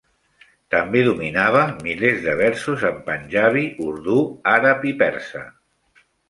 També dominava milers de versos en panjabi, urdú, àrab i persa.